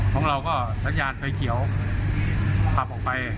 ของเราก็สัญญาณไฟเขียวขับออกไป